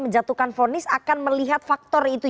menjatuhkan fonis akan melihat faktor itu